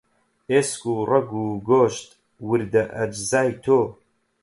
ئێسک و ڕەگ و گۆشت، وردە ئەجزای تۆ